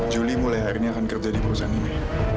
juli mulai hari ini akan kerja di perusahaan ini